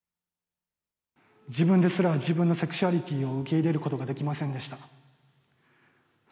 自分ですら自分のセクシュアリティーを受け入れることができませんでした。